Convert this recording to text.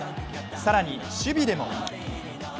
更に、守備でも。